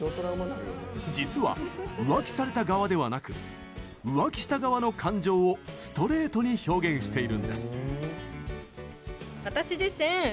実は、浮気された側ではなく浮気した側の感情をストレートに表現しているんです。